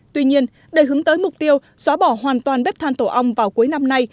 tuy nhiên để hướng tới mục tiêu xóa bỏ hoàn toàn bếp than tổ ong vào cuối năm nay